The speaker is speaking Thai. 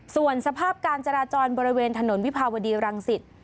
ส่วนสภาพการจราจรบริเวณถนนวิภาวดีรังสิต